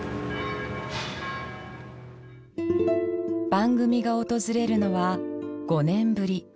番組が訪れるのは５年ぶり。